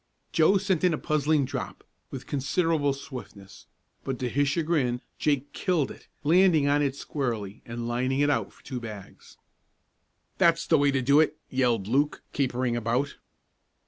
Joe sent in a puzzling drop, with considerable swiftness, but to his chagrin Jake "killed" it, landing on it squarely and lining it out for two bags. "That's the way to do it!" yelled Luke, capering about.